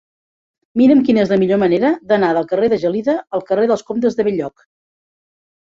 Mira'm quina és la millor manera d'anar del carrer de Gelida al carrer dels Comtes de Bell-lloc.